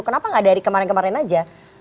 kenapa nggak dari kemarin kemarin aja